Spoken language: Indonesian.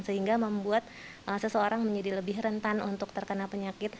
sehingga membuat seseorang menjadi lebih rentan untuk terkena penyakit